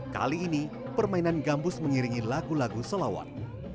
kali ini permainan gambus mengiringi lagu lagu salawat